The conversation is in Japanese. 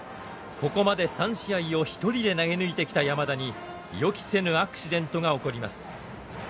ここまで３試合を一人で投げ抜いてきた山田に予期せぬアクシデントが起こります。